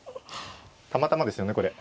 たまたまですよねこれ。